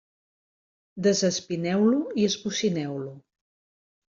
Desespineu-lo i esbocineu-lo.